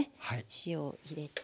塩を入れて。